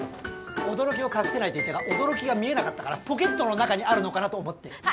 驚きを隠せないと言ったが驚きが見えなかったからポケットの中にあるのかなと思ってね。